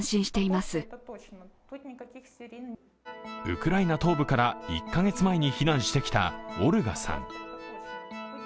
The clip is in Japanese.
ウクライナ東部から１カ月前に避難してきたオルガさん。